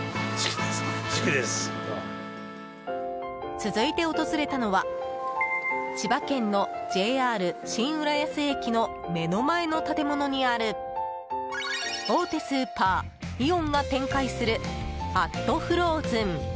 続いて訪れたのは千葉県のＪＲ新浦安駅の目の前の建物にある大手スーパー、イオンが展開する＠ＦＲＯＺＥＮ。